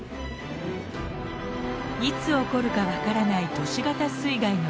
いつ起こるか分からない都市型水害の危険性。